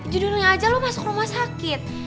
judulnya aja loh masuk rumah sakit